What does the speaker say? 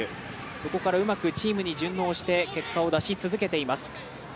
そこからうまくチームに順応して結果を出し続けています。